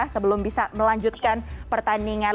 sebelum bisa melanjutkan pertandingan